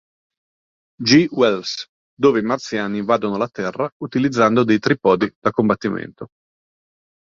G. Wells, dove i marziani invadono la Terra utilizzando dei tripodi da combattimento.